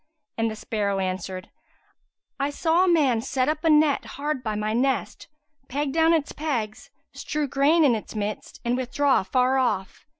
and the sparrow answered, "I saw a man set up a net, hard by my nest, peg down its pegs, strew grain in its midst and withdraw afar off.